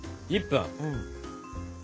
１分。